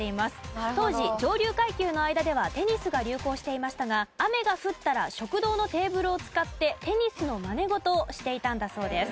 当時上流階級の間ではテニスが流行していましたが雨が降ったら食堂のテーブルを使ってテニスのまね事をしていたんだそうです。